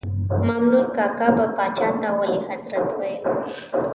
مامنور کاکا به پاچا ته ولي حضرت ویل.